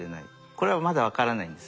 これはまだ分からないんです。